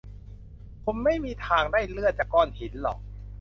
คุณไม่มีทางได้เลือดจากก้อนหินหรอก